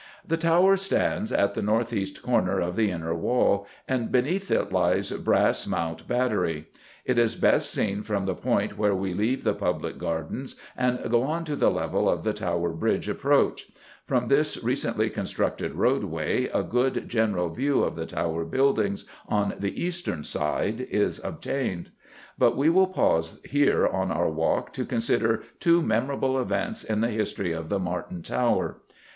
The tower stands at the north east corner of the Inner Wall, and beneath it lies Brass Mount battery. It is best seen from the point where we leave the public gardens and go on to the level of the Tower Bridge Approach. From this recently constructed roadway a good general view of the Tower buildings on the eastern side is obtained. But we will pause here on our walk to consider two memorable events in the history of the Martin Tower.